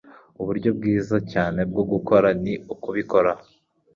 Uburyo bwiza cyane bwo gukora ni ukubikora.”